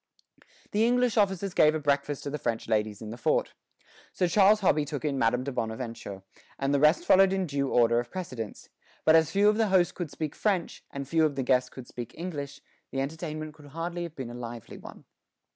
The English officers gave a breakfast to the French ladies in the fort. Sir Charles Hobby took in Madame de Bonaventure, and the rest followed in due order of precedence; but as few of the hosts could speak French, and few of the guests could speak English, the entertainment could hardly have been a lively one.